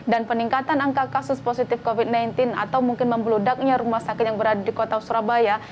dan peningkatan angka kasus positif covid sembilan belas atau mungkin membeludaknya rumah sakit yang berada di kota surabaya